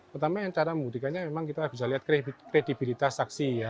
pertama yang cara membuktikannya memang kita bisa lihat kredibilitas saksi ya